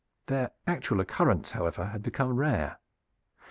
Their actual occurrence however had become rare.